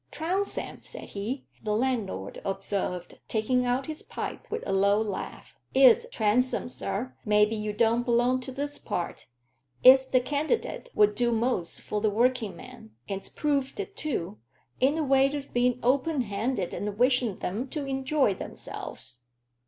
"Trounsem, said he," the landlord observed, taking out his pipe with a low laugh. "It's Transome, sir. Maybe you don't belong to this part. It's the candidate 'ull do most for the workingmen, and's proved it too, in the way o' being open handed and wishing 'em to enjoy themselves.